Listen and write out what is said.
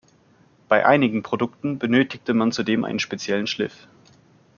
Bei einigen Produkten benötigte man zudem einen speziellen Schliff.